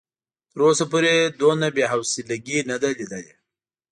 تر اوسه پورې دومره بې حوصلګي نه ده ليدلې.